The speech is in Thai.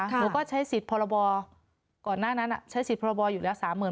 ค่ะหนูก็ใช้สิทธิ์พรบก่อนหน้านั้นน่ะใช้สิทธิ์พรบอยู่แล้วสามหมื่น